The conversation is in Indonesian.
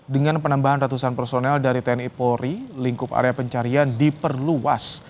dengan penambahan ratusan personel dari tni polri lingkup area pencarian diperluas